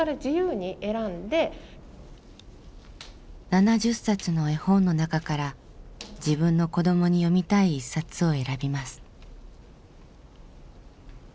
７０冊の絵本の中から自分の子どもに読みたい一冊を選びます。